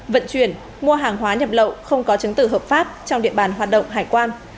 vận chuyển mua hàng hóa nhập lậu không có chứng tử hợp pháp trong địa bàn hoạt động hải quan